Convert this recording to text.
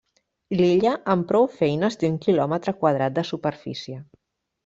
L'illa amb prou feines té un quilòmetre quadrat de superfície.